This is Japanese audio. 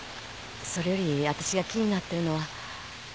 それより私が気になっているのは。